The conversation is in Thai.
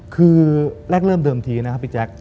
คือแรกเริ่มเดิมทีนะครับพี่แจ๊ค